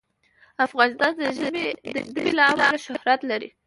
افغانستان د ژبې له امله شهرت لري.